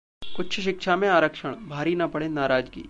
उच्च शिक्षा में आरक्षणः भारी न पड़े नाराजगी!